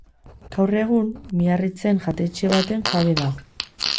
Gaur egun Miarritzen jatetxe baten jabe da.